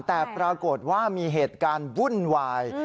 แต่ปรากฏว่ามีเหตุการณ์วุ่นวาย